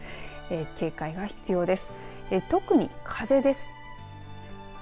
警戒が必要です。